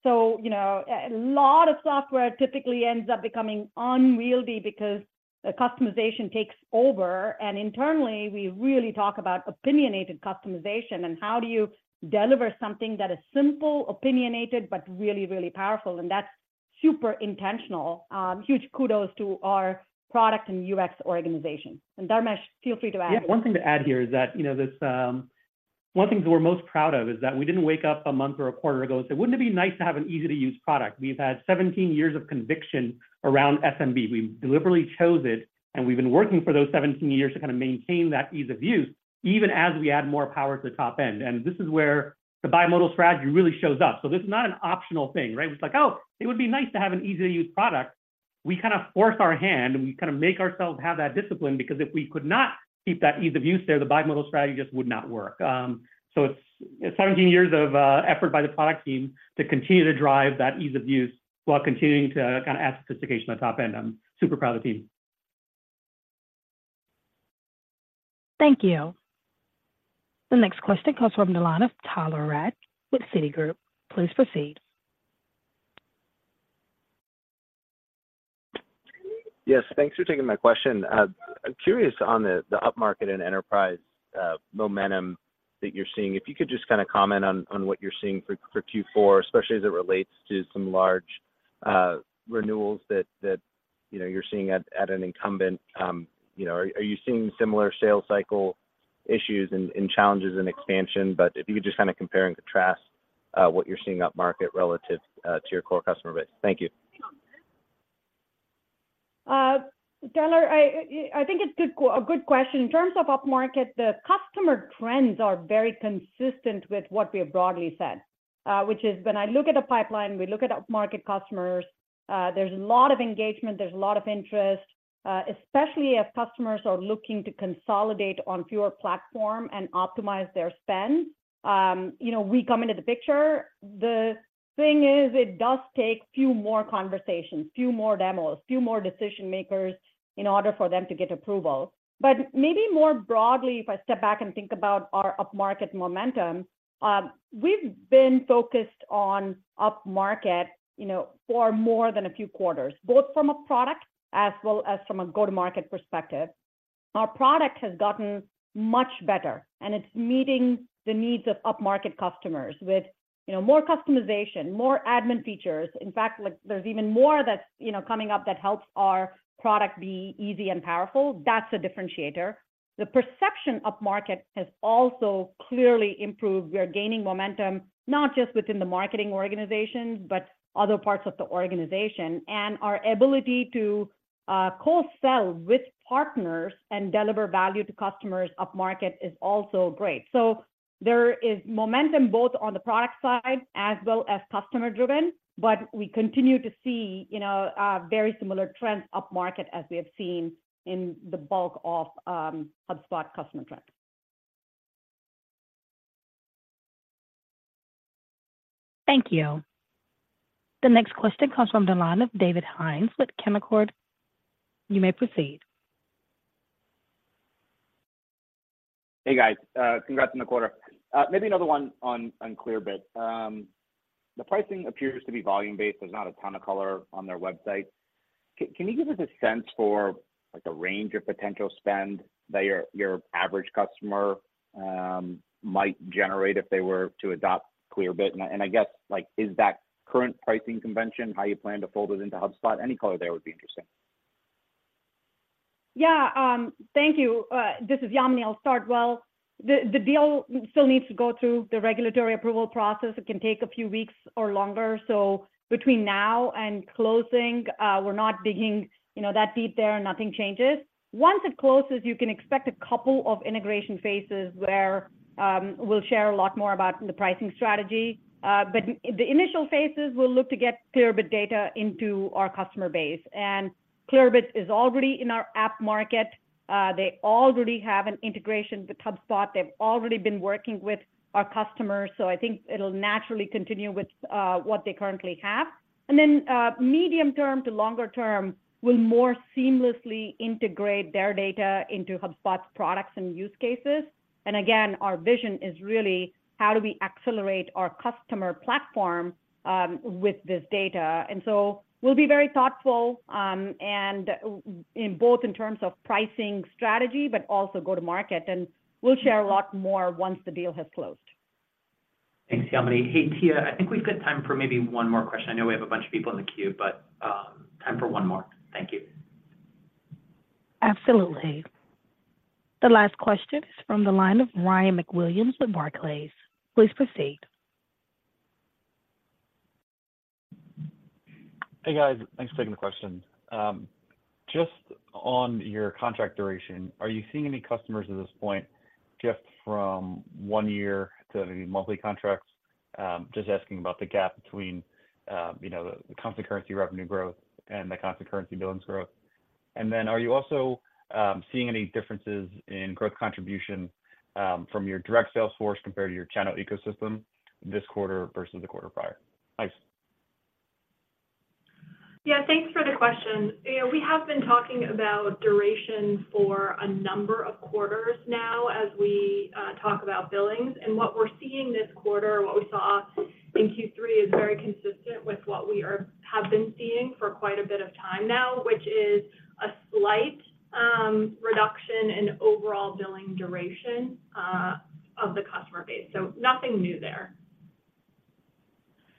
So, you know, a lot of software typically ends up becoming unwieldy because the customization takes over, and internally, we really talk about opinionated customization and how do you deliver something that is simple, opinionated, but really, really powerful? And that's super intentional. Huge kudos to our product and UX organization. And Dharmesh, feel free to add. Yeah, one thing to add here is that, you know, this... One thing we're most proud of is that we didn't wake up a month or a quarter ago and say, "Wouldn't it be nice to have an easy-to-use product?" We've had 17 years of conviction around SMB. We deliberately chose it, and we've been working for those 17 years to kind of maintain that ease of use, even as we add more power at the top end. And this is where the bimodal strategy really shows up. So this is not an optional thing, right? It's like, oh, it would be nice to have an easy-to-use product. We kinda force our hand, and we kinda make ourselves have that discipline, because if we could not keep that ease of use there, the bimodal strategy just would not work. So, it's 17 years of effort by the product team to continue to drive that ease of use while continuing to kind of add sophistication on the top end. I'm super proud of the team.... Thank you. The next question comes from the line of Tyler Radke with Citigroup. Please proceed. Yes, thanks for taking my question. I'm curious on the upmarket and enterprise momentum that you're seeing. If you could just kind of comment on what you're seeing for Q4, especially as it relates to some large renewals that you know you're seeing at an incumbent, you know. Are you seeing similar sales cycle issues and challenges in expansion? But if you could just kind of compare and contrast what you're seeing upmarket relative to your core customer base. Thank you. Tyler, I think it's a good question. In terms of upmarket, the customer trends are very consistent with what we have broadly said, which is when I look at a pipeline, we look at upmarket customers, there's a lot of engagement, there's a lot of interest, especially as customers are looking to consolidate on fewer platform and optimize their spend. You know, we come into the picture. The thing is, it does take few more conversations, few more demos, few more decision makers in order for them to get approval. But maybe more broadly, if I step back and think about our upmarket momentum, we've been focused on upmarket, you know, for more than a few quarters, both from a product as well as from a go-to-market perspective. Our product has gotten much better, and it's meeting the needs of upmarket customers with, you know, more customization, more admin features. In fact, like, there's even more that's, you know, coming up that helps our product be easy and powerful. That's a differentiator. The perception of market has also clearly improved. We are gaining momentum, not just within the marketing organization, but other parts of the organization. And our ability to cross-sell with partners and deliver value to customers upmarket is also great. So there is momentum both on the product side as well as customer driven, but we continue to see, you know, very similar trends upmarket as we have seen in the bulk of HubSpot customer trends. Thank you. The next question comes from the line of David Hynes with Canaccord. You may proceed. Hey, guys, congrats on the quarter. Maybe another one on Clearbit. The pricing appears to be volume-based. There's not a ton of color on their website. Can you give us a sense for, like, a range of potential spend that your average customer might generate if they were to adopt Clearbit? And I guess, like, is that current pricing convention, how you plan to fold it into HubSpot? Any color there would be interesting. Yeah, thank you. This is Yamini. I'll start. Well, the deal still needs to go through the regulatory approval process. It can take a few weeks or longer. So between now and closing, we're not digging, you know, that deep there, nothing changes. Once it closes, you can expect a couple of integration phases where we'll share a lot more about the pricing strategy. But the initial phases will look to get Clearbit data into our customer base. And Clearbit is already in our app market. They already have an integration with HubSpot. They've already been working with our customers, so I think it'll naturally continue with what they currently have. And then, medium term to longer term, we'll more seamlessly integrate their data into HubSpot's products and use cases. Again, our vision is really how do we accelerate our customer platform with this data? So we'll be very thoughtful, and in both in terms of pricing strategy, but also go-to-market, and we'll share a lot more once the deal has closed. Thanks, Yamini. Hey, Tia, I think we've got time for maybe one more question. I know we have a bunch of people in the queue, but, time for one more. Thank you. Absolutely. The last question is from the line of Ryan MacWilliams with Barclays. Please proceed. Hey, guys, thanks for taking the question. Just on your contract duration, are you seeing any customers at this point shift from one year to maybe monthly contracts? Just asking about the gap between, you know, the constant currency revenue growth and the constant currency billings growth. And then are you also seeing any differences in growth contribution from your direct sales force compared to your channel ecosystem this quarter versus the quarter prior? Thanks. Yeah, thanks for the question. You know, we have been talking about duration for a number of quarters now as we talk about billings. And what we're seeing this quarter, what we saw in Q3 is very consistent with what we have been seeing for quite a bit of time now, which is a slight reduction in overall billing duration of the customer base. So nothing new there.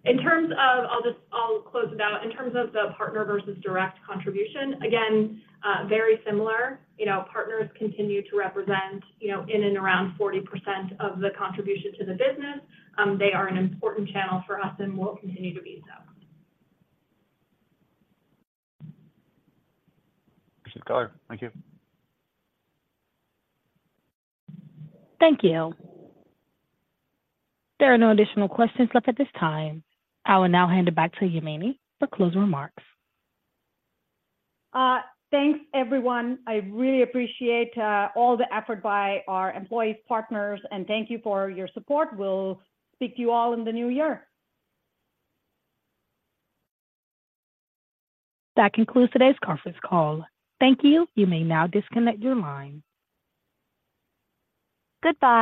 In terms of, I'll close it out. In terms of the partner versus direct contribution, again, very similar. You know, partners continue to represent, you know, in and around 40% of the contribution to the business. They are an important channel for us and will continue to be so. Appreciate the color. Thank you. Thank you. There are no additional questions left at this time. I will now hand it back to Yamini for closing remarks. Thanks, everyone. I really appreciate all the effort by our employees, partners, and thank you for your support. We'll speak to you all in the new year. That concludes today's conference call. Thank you. You may now disconnect your line. Goodbye.